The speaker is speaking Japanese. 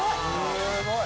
すごい。